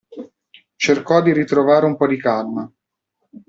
Cercò di ritrovare un po' di calma.